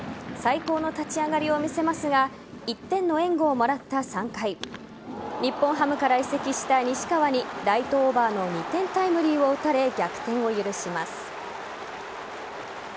最高の立ち上がりを見せますが１点の援護をもらった３回日本ハムから移籍した西川にライトオーバーの２点タイムリーを打たれ逆転を許します。